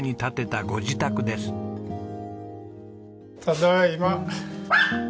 ただいま。